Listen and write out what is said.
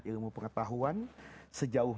ilmu pengetahuan sejauh